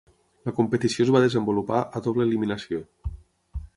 La competició es va desenvolupar a doble eliminació.